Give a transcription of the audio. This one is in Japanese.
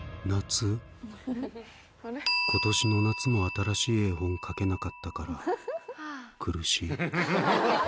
ことしの夏も新しい絵本描けなかったから、苦しい。